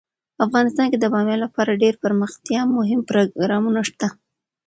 افغانستان کې د بامیان لپاره ډیر دپرمختیا مهم پروګرامونه شته دي.